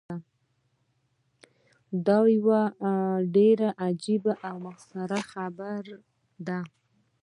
دا یوه ډیره عجیبه او مسخره خبره ده.